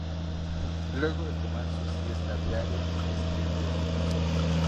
Luego de tomar su siesta diaria, escribía.